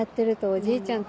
おじいちゃん？